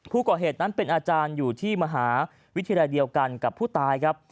ผู้ก่อเหตุนั้นเป็นอาจารย์อยู่ที่มหาวิทยาลัยเดียวกันกับผู้ตายครับ